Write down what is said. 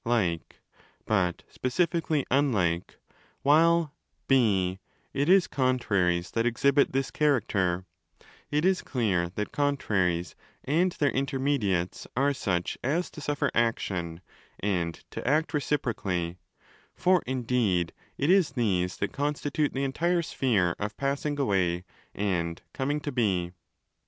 'like') but specifically 'unlike', while (0) it is 'contraries' that exhibit this charac ter: it is clear that 'contraries' and their 'intermediates' are such as to suffer action and to act reciprocally—for indeed it is these that constitute the entire sphere of passing away and coming to be.